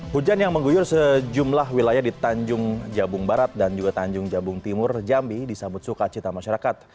hujan yang mengguyur sejumlah wilayah di tanjung jabung barat dan juga tanjung jabung timur jambi disambut sukacita masyarakat